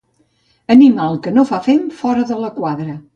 Animal que no fa fem, fora de la quadra.